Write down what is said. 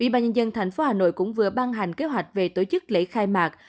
ủy ban nhân dân tp hà nội cũng vừa ban hành kế hoạch về tổ chức lễ khai mạc